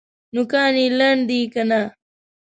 نوکان یې لنډ دي که نه؟